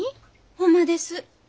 ほんまです。